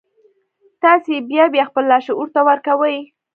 تاسې يې بيا بيا خپل لاشعور ته ورکوئ.